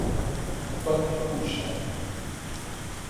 Quanto custa?